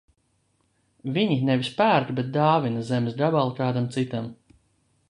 Viņi nevis pērk, bet dāvina zemes gabalu kādam citam.